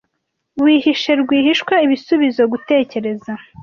Wihishe rwihishwa ibisubizo), gutekereza